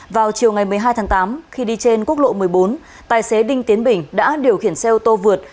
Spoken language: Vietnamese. vào chiều ngày một mươi hai tháng tám khi đi trên quốc lộ một mươi bốn tài xế đinh tiến bình đã điều khiển xe ô tô vượt